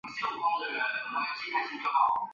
革叶车前为车前科车前属下的一个亚种。